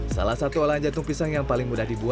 salah satu olahan jantung pisang yang paling mudah dibuat